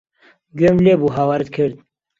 گوێم لێ بوو هاوارت کرد.